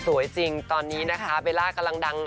สวยจริงตอนนี้นะคะเบลล่ากำลังดัง